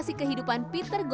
ya kalau amis